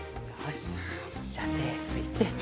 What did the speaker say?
よしじゃあてついて。